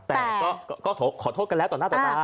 แต่ก็ขอโทษกันแล้วต่อหน้าต่อตา